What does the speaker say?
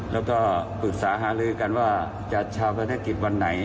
แล้วก็ปรึกษาหาลือกันว่าจะชาวพนักกิจวันไหน